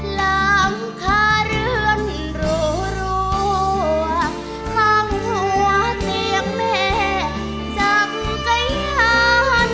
หลังคาเรือนหรั่วห้างหัวเตียงแม่จักกะย้อน